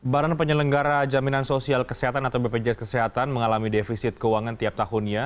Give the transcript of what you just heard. barang penyelenggara jaminan sosial kesehatan atau bpjs kesehatan mengalami defisit keuangan tiap tahunnya